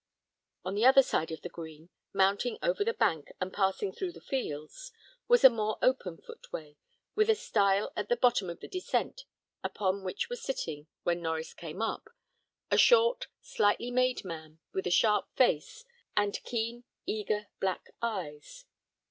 On the other side of the green, mounting over the bank and passing through the fields, was a more open footway, with a stile at the bottom of the descent, upon which was sitting, when Norries came up, a short, slightly made man, with a sharp face, and keen, eager, black eyes.